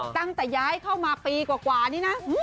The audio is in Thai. ตั้งแต่ย้ายเข้ามาปีกว่านี้นะ